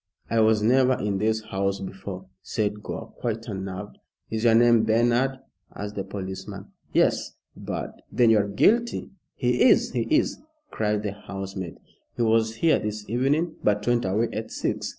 "I was never in this house before," said Gore, quite unnerved. "Is your name Bernard?" asked the policeman. "Yes! but " "Then you are guilty." "He is he is!" cried the housemaid. "He was here this evening, but went away at six.